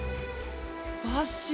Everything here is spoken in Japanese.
バッシー。